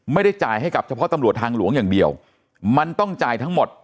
ไม่ได้จ่ายให้กับเฉพาะตำรวจทางหลวงอย่างเดียวมันต้องจ่ายทั้งหมด